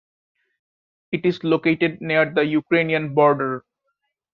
It is located near the Ukrainian border.